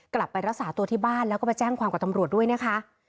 กลับไปรักษาตัวที่บ้านแล้วก็ไปแจ้งความกับตำรวจด้วยนะคะ